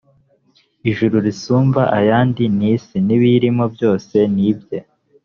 ijuru risumba ayandi n isi j n ibiyirimo byose ni ibye